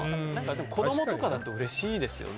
子供とかだとうれしいですよね。